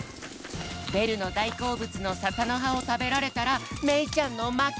ベルのだいこうぶつのささのはをたべられたらめいちゃんのまけ。